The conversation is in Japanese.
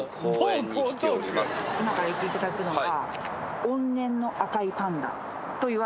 今から行っていただくのは。